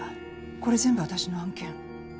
これ全部私の案件。